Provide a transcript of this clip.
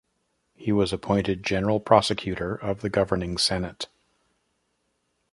He was appointed General-Prosecutor of the Governing Senate.